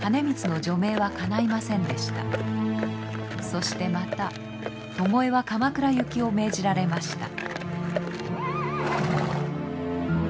そしてまた巴は鎌倉行きを命じられました。